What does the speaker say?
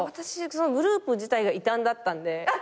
グループ自体が異端だったんで。